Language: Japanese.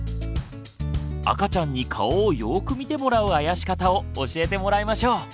赤ちゃんに顔をよく見てもらうあやし方を教えてもらいましょう。